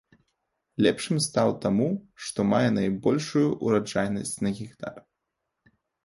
Лепшым стаў таму, што мае найбольшую ураджайнасць на гектар.